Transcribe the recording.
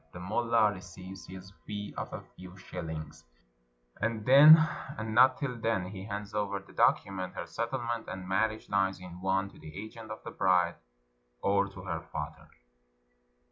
The mullah re ceives his fee of a few shillings; and then, and not till then, he hands over the document — her settlement and "marriage lines" in one — to the agent of the bride or to her father.